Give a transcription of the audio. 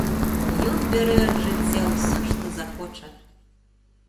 Ён бярэ ад жыцця ўсё, што захоча.